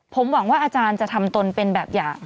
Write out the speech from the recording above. ผมหวังว่าอาจารย์จะทำตนเป็นแบบอย่าง